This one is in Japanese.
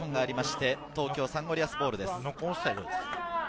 東京サンゴリアスボールです。